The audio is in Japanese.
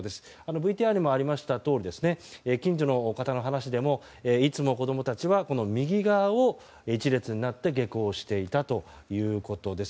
ＶＴＲにもありましたとおり近所の方の話でもいつも子供たちは右側を１列になって下校していたということです。